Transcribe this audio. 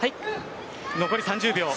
残り３０秒。